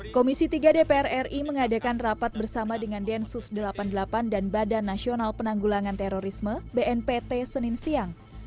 komisi tiga dpr ri mengadakan rapat bersama dengan densus delapan puluh delapan dan badan nasional penanggulangan terorisme bnpt senin siang